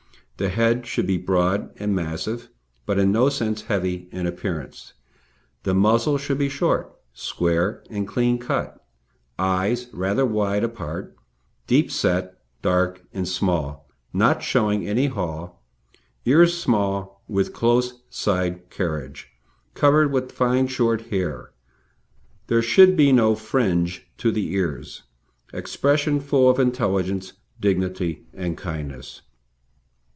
The head should be broad and massive, but in no sense heavy in appearance. The muzzle should be short, square, and clean cut, eyes rather wide apart, deep set, dark and small, not showing any haw; ears small, with close side carriage, covered with fine short hair (there should be no fringe to the ears), expression full of intelligence, dignity, and kindness.